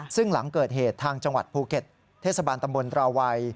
ซึ่งหลังเกิดเหตุทางจังหวัดภูเก็ตเทศบาลตำบลราวัย